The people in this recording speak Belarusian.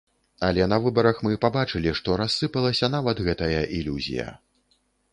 Але на выбарах мы пабачылі, што рассыпалася нават гэтая ілюзія.